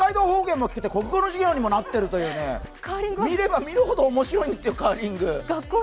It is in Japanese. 方言も聞けて国語の授業にもなってると見れば見るほど面白いんですよ